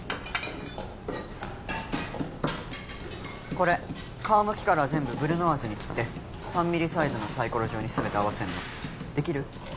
これ皮むきから全部ブリュノワーズに切って３ミリサイズのサイコロ状に全て合わせるのできる？